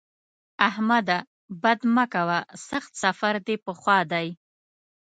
احمده! بد مه کوه؛ سخت سفر دې په خوا دی.